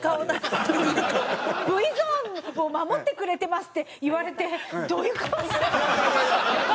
「Ｖゾーンを守ってくれてます」って言われてどういう顔すれば。